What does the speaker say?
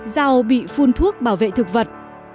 rau bị phun thuốc bảo vệ thực vật